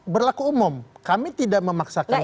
berlaku umum kami tidak memaksakan